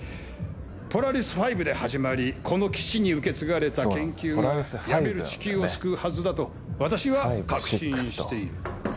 ポラリス５で始まりこの基地に受け継がれた研究が病める地球を救うはずだと私は確信している。